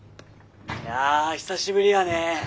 いや久しぶりやね。